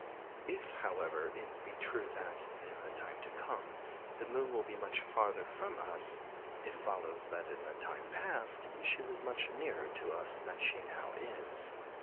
If, however, it be true that, in the time to come, the moon will be much farther from us, it follows that in the time past she was much nearer to us than she now is.